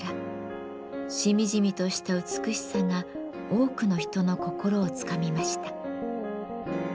しみじみとした美しさが多くの人の心をつかみました。